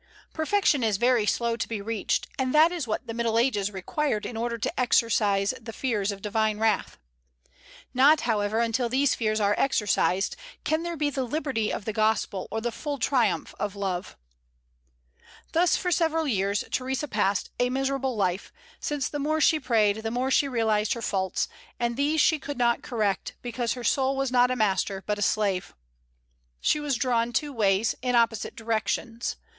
Perfection is very slow to be reached, and that is what the Middle Ages required in order to exorcise the fears of divine wrath. Not, however, until these fears are exorcised can there be the liberty of the gospel or the full triumph of love. Thus for several years Theresa passed a miserable life, since the more she prayed the more she realized her faults; and these she could not correct, because her soul was not a master, but a slave. She was drawn two ways, in opposite directions.